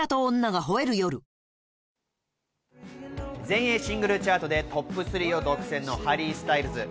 全英シングルチャートでトップ３を独占のハリー・スタイルズ。